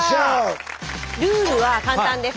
ルールは簡単です。